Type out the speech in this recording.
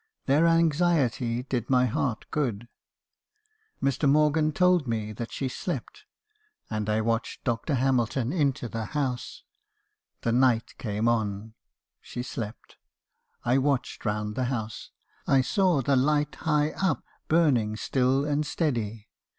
Their anxiety did my heart good. Mr. Morgan told me that she slept, and I watched Dr. Hamilton into the house. The night came on. She slept. I watched round the house. I saw the light high up, burning still and steady.